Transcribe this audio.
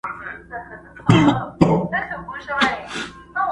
o چي ئې زده د کميس غاړه، هغه ئې خوري په لکه غاړه٫